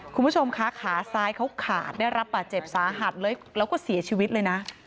คุณผู้ชมคะขาซ้ายเขาขาดได้รับบาดเจ็บสาหัสเลยแล้วก็เสียชีวิตเลยนะ